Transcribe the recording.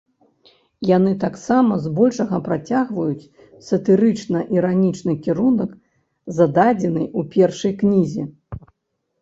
Яны таксама збольшага працягваюць сатырычна-іранічны кірунак, зададзены ў першай кнізе.